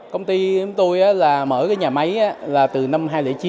công ty tôi mở cái nhà máy là từ năm hai nghìn chín